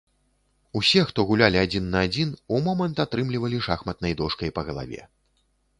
Усе, хто гулялі адзін на адзін, у момант атрымлівалі шахматнай дошкай па галаве.